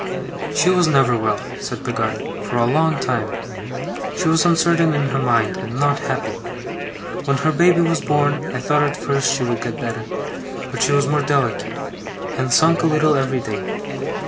'She was never well,' said Peggotty, 'for a long time. She was uncertain in her mind, and not happy. When her baby was born, I thought at first she would get better, but she was more delicate, and sunk a little every day.